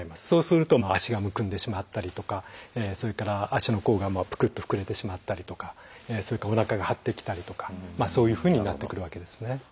そうすると脚がむくんでしまったりとかそれから足の甲がぷくっと膨れてしまったりとかそれからおなかが張ってきたりとかそういうふうになってくるわけですね。